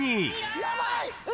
ヤバい！